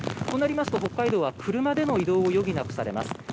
となりますと北海道は車での移動を余儀なくされます。